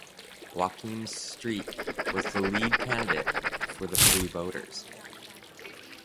Joachim Streit was the lead candidate for the Free Voters.